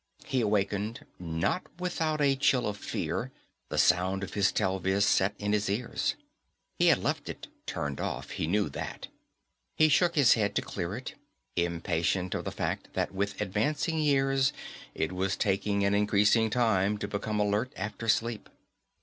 He awakened, not without a chill of fear, the sound of his telviz set in his ears. He had left it turned off, he knew that. He shook his head to clear it, impatient of the fact that with advancing years it was taking an increasing time to become alert after sleep.